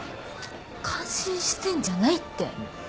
感心してんじゃないって。